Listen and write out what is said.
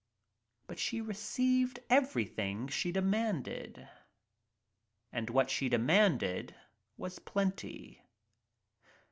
But she received everything she demanded — and what she demanded was a plenty.